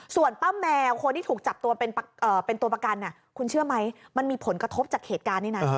ส่วนป้าแมวคนที่ถูกจับตัวเป็นตัวประกันคุณเชื่อไหมมันมีผลกระทบจากเหตุการณ์นี้นะ